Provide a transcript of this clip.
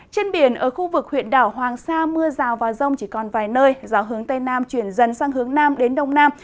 trên biển ở khu vực huyện đảo hoàng sa mưa rào và rông chỉ còn vài nơi gió hướng tây nam chuyển dần sang hướng nam đến đông nam